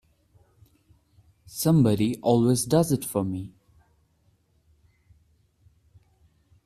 Somebody always does it for me.